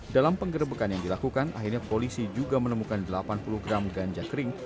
dalam penggerebekan yang dilakukan akhirnya polisi juga menemukan delapan puluh gram ganja kering